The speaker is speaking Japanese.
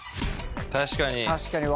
確かに。